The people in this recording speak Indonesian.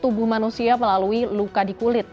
tubuh manusia melalui luka di kulit